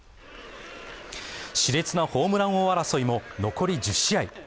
しれつなホームラン王争いも残り１０試合。